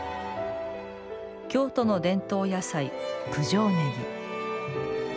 京都の伝統野菜、九条ねぎ。